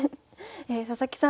佐々木さん